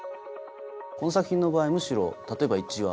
この作品の場合むしろ例えば１話。